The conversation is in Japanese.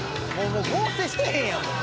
もう合成してへんやん。